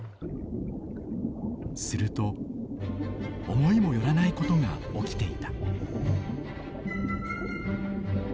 すると思いも寄らないことが起きていた。